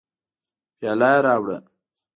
پیاله یې راوړه.